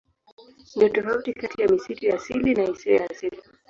Ndiyo tofauti kati ya misitu ya asili na isiyo ya asili.